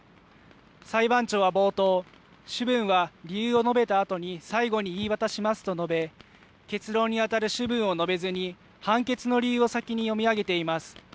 裁判長は冒頭、主文は理由を述べたあとに最後に言い渡しますと述べ、結論にあたる主文を述べずに判決の理由を先に読み上げています。